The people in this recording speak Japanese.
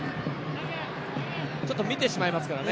ちょっと見てしまいますからね。